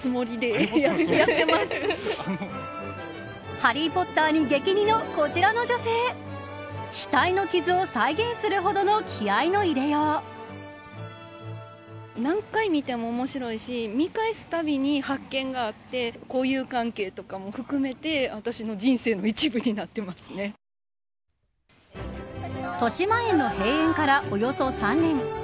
ハリー・ポッターに激似のこちらの女性額の傷を再現するほどの気合の入れよう。としまえんの閉園からおよそ３年。